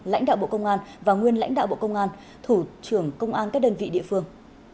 lãnh đạo bộ công an và nguyên lãnh đạo bộ công an thủ trưởng công an các đơn vị địa phương